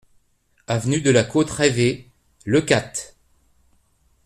Avenue de la Côte Rêvée, Leucate